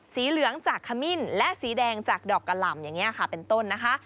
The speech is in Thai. สีเหลืองจากขมิ้นและสีแดงจากดอกกะหล่ำอย่างนี้ค่ะเป็นต้นนะคะ